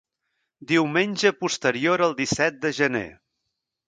Diumenge posterior al disset de gener.